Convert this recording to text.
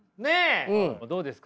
どうですか？